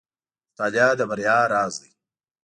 • مطالعه د بریا راز دی.